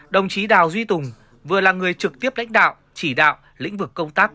đồng chí đào duy tùng vừa là người trực tiếp lãnh đạo chỉ đạo lĩnh vực công tác